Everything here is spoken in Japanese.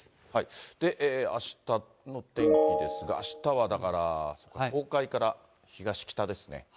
あしたのお天気ですが、あしたはだから、東海から東、北ですね。